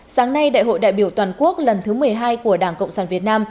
sáng nay đại hội đại biểu toàn quốc lần thứ một mươi hai của đảng cộng sản việt nam